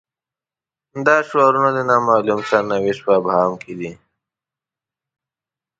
دا شعارونه د نا معلوم سرنوشت په ابهام کې دي.